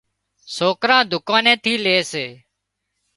سوڪران ڌُڪاني ٿي لي سي